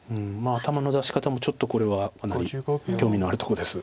頭の出し方もちょっとこれはかなり興味のあるところです。